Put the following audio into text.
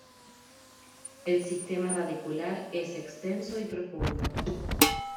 El sistema radicular es extenso y profundo.